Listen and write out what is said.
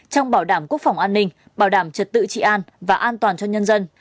trong bảo đảm quốc phòng an ninh bảo đảm trật tự trị an và an toàn cho nhân dân